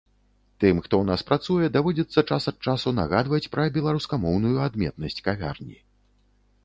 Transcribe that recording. Тым, хто ў нас працуе, даводзіцца час ад часу нагадваць пра беларускамоўную адметнасць кавярні.